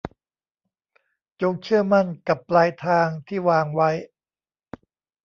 จงเชื่อมั่นกับปลายทางที่วางไว้